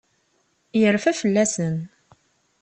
Yerfa fell-asen.